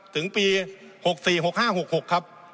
ถึงปี๖๔๖๕๖๖ครับ